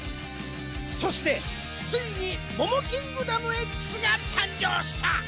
そしてついにモモキングダムＸが誕生した！